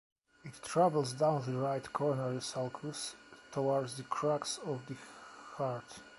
It travels down the right coronary sulcus, towards the crux of the heart.